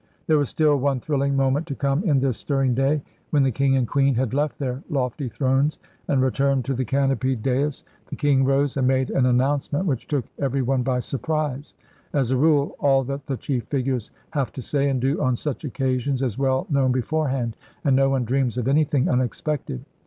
There was still one thrilling moment to come in this stirring day. When the King and Queen had left their lofty thrones and returned to the canopied dais, the King rose and made an announcement which took every one by surprise. As a rule, all that the chief figures have to say and do on such occasions is well known before hand, and no one dreams of anything unexpected.